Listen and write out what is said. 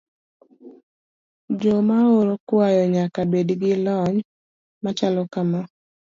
Joma oro kwayo nyaka bed gi lony machalo kama.